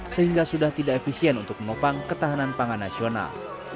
sehingga sudah tidak efisien untuk menopang ketahanan pangan nasional